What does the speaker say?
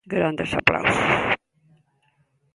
Grandes aplausos.